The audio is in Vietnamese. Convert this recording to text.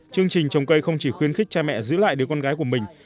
chương trình trồng cây không chỉ khuyến khích cha mẹ giữ lại đứa con gái của mình